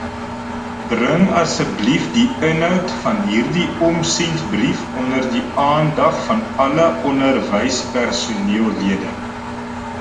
Bring asseblief die inhoud van hierdie omsendbrief onder die aandag van alle onderwyspersoneellede.